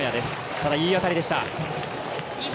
ただ、いい当たりでした。